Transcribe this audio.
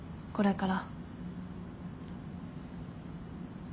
これから。